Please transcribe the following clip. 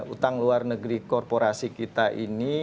utang luar negeri korporasi kita ini